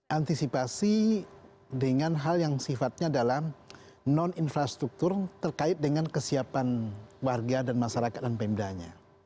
antisipasi dengan hal yang sifatnya dalam non infrastruktur terkait dengan kesiapan warga dan masyarakat dan pemdanya